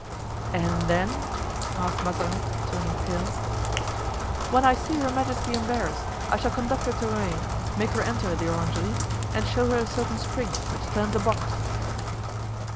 "And then?" asked Mazarin, turning pale. "When I see her majesty embarrassed, I shall conduct her to Rueil, make her enter the orangery and show her a certain spring which turns a box."